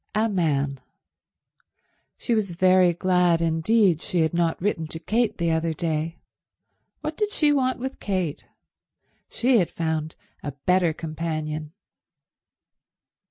A man. She was very glad indeed she had not written to Kate the other day. What did she want with Kate? She had found a better companion.